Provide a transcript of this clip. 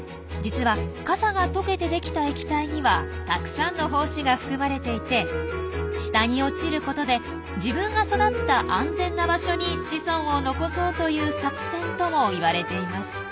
実は傘が溶けてできた液体にはたくさんの胞子が含まれていて下に落ちることで自分が育った安全な場所に子孫を残そうという作戦ともいわれています。